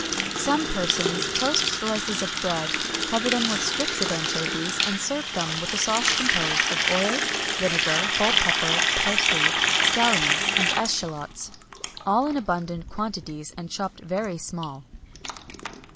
Some persons toast slices of bread, cover them with strips of anchovies, and serve them with a sauce composed of oil, vinegar, whole pepper, parsley, scallions, and eschalots, all in abundant quantities, and chopped very small.